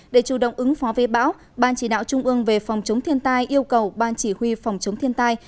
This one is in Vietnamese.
để chủ động ứng phó với bão ban chỉ đạo trung ương về phòng chống thiên tai yêu cầu ban chỉ huy phòng chống thiên tai